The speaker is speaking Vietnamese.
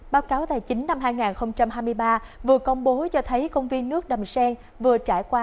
báo cáo tài chính năm hai nghìn hai mươi ba vừa công bố cho thấy công viên nước đầm sen vừa trải qua